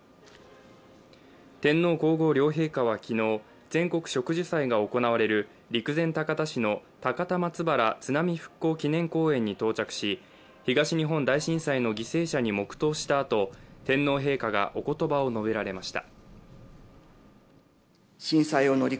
天皇皇后両陛下は昨日、全国植樹祭が行われる陸前高田市の高田松原津波復興祈念公園に到着し東日本大震災の犠牲者に黙とうしたあと、天皇陛下がおことばを述べられました。